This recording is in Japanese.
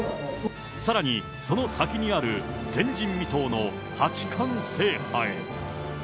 さらに、その先にある前人未到の八冠制覇へ。